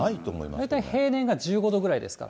大体平年が１５度ぐらいですから。